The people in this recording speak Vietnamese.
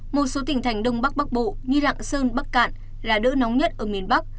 một số tỉnh thành đông bắc bắc bộ như lạng sơn bắc cạn là đỡ nóng nhất ở miền bắc